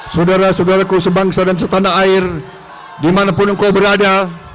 saudara saudaraku sebangsa dan setanah air dimanapun kau berada